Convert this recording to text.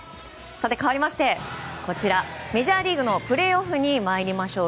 かわりまして、こちらメジャーリーグのプレーオフに参りましょう。